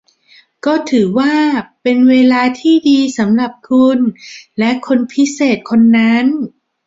ก็ถือว่าเป็นเวลาที่ดีสำหรับคุณและคนพิเศษคนนั้น